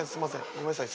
ごめんなさい。